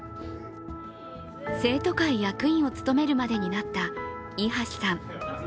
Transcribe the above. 生徒会役員を務めるまでになった伊橋さん。